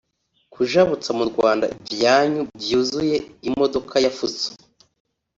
kujabutsa mu Rwanda ivyamwa vyuzuye imodoka ya Fuso